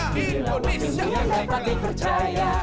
bila wajibnya dapat dipercaya